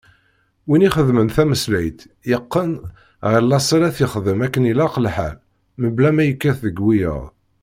Win ixeddmen tameslayt, yeqqen ɣer laṣel ad t-yexdem akken ilaq lḥal, mebla ma yekkat deg wiyaḍ.